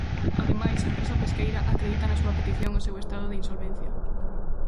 Ademais, a empresa pesqueira acredita na súa petición o seu "estado de insolvencia".